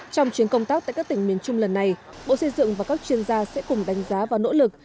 trong chuyến công tác tại các tỉnh miền trung lần này bộ xây dựng và các chuyên gia sẽ cùng đánh giá và nỗ lực